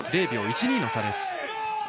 ０秒１２の差です。